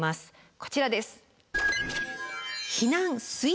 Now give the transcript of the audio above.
こちらです。